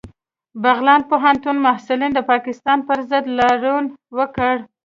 بغلان پوهنتون محصلینو د پاکستان پر ضد لاریون وکړ